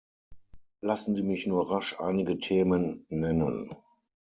Lassen Sie mich nur rasch einige Themen nennen.